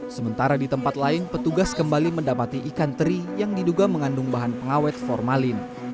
sementara di tempat lain petugas kembali mendapati ikan teri yang diduga mengandung bahan pengawet formalin